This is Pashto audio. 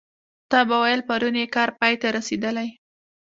تا به ویل پرون یې کار پای ته رسېدلی.